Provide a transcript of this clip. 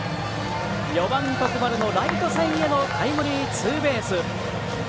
４番、徳丸のライト線へのタイムリーツーベース。